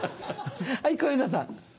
はい小遊三さん。